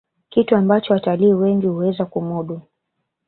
kitu ambacho watalii wengi huweza kumudu